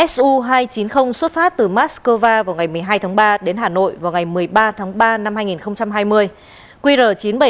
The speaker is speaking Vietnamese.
su hai trăm chín mươi xuất phát từ moscow vào ngày một mươi hai tháng ba đến hà nội vào ngày một mươi ba tháng ba